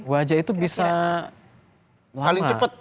wajah itu bisa lama